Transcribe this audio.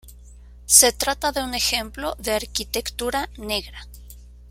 Se trata de un ejemplo de arquitectura negra.